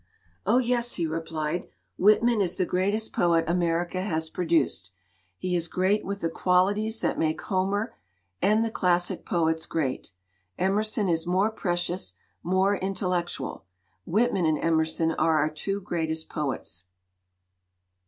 "Oh yes," he replied, "Whitman is the greatest poet America has produced. He is great with the qualities that make Homer and the classic poets great. Emerson is more precious, more intellectual. Whitman and Emerson are our two greatest poets."